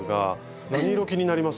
何色気になります？